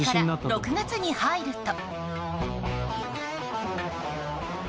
翌日から６月に入ると。